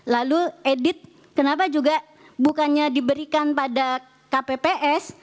lalu edit kenapa juga bukannya diberikan pada kpps